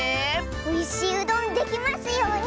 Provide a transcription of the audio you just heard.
おいしいうどんできますように！